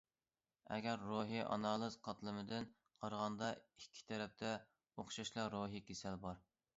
ئەگەر روھىي ئانالىز قاتلىمىدىن قارىغاندا، ئىككى تەرەپتە ئوخشاشلا روھىي كېسەل بار.